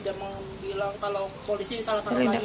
dia bilang kalau kondisi ini salah kalau lain